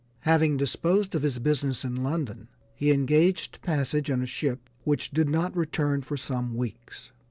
Having disposed of his business in London, he engaged passage in a ship which did not return for some weeks.